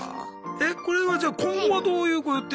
えこれはじゃあ今後はどういうご予定？